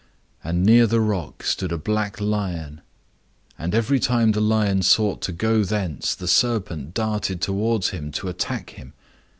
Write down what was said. And near the rock stood a black lion, and every time the lion sought to go thence the serpent darted towards him to attack him.